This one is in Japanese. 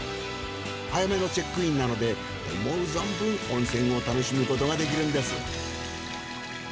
早めのチェックインなので思う存分温泉を楽しむことができるんです。